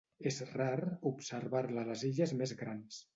És rar observar-la a les illes més grans.